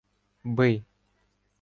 — Бий!